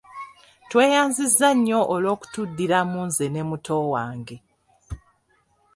Tweyanzizza nnyo olw'okutuddiramu nze ne muto wange.